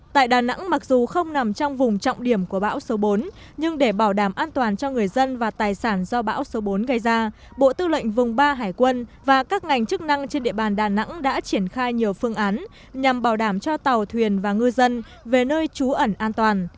tại đà nẵng mặc dù không nằm trong vùng trọng điểm của bão số bốn nhưng để bảo đảm an toàn cho người dân và tài sản do bão số bốn gây ra bộ tư lệnh vùng ba hải quân và các ngành chức năng trên địa bàn đà nẵng đã triển khai nhiều phương án nhằm bảo đảm cho tàu thuyền và ngư dân về nơi trú ẩn an toàn